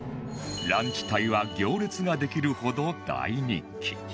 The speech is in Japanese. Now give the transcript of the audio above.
ランチ帯は行列ができるほど大人気